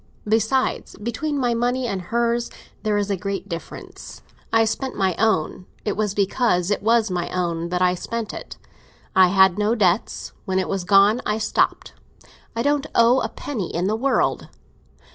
Besides, between my money and hers there is a great difference. I spent my own; it was because it was my own that I spent it. And I made no debts; when it was gone I stopped. I don't owe a penny in the world."